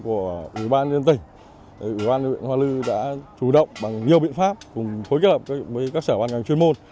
ủy ban nhân dân huyện hoa lư đã chủ động bằng nhiều biện pháp cùng phối kết hợp với các sở ban ngành chuyên môn